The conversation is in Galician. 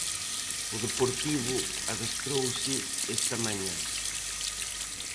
O Deportivo adestrouse esta mañá.